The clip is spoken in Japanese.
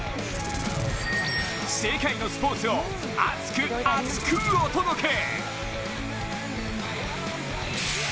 世界のスポーツを熱く厚くお届け！